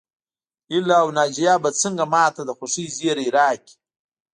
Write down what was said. هيله او ناجيه به څنګه ماته د خوښۍ زيری راکړي